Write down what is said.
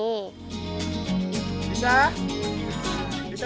bisa bisa dikatakan